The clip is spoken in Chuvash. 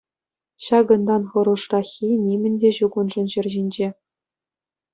Ҫакӑнтан хӑрушраххи нимӗн те ҫук уншӑн ҫӗр ҫинче.